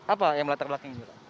apa yang melatar belakang juga